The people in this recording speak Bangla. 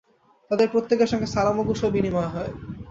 তাঁদের প্রত্যেকের সঙ্গে সালাম ও কুশল বিনিময় হয়।